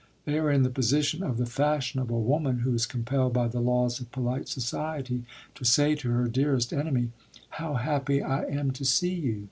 They are in the position of the fashionable woman who is compelled by the laws of polite society to say to her dearest enemy: "How happy I am to see you!"